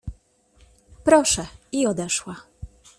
— Proszę — i odeszła.